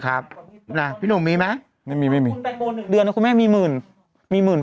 ครับน่ะพี่หนุ่มมีไหมไม่มีไม่มีเดือนนะคุณแม่มีหมื่นมีหมื่น